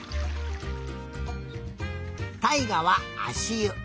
たいがはあしゆ。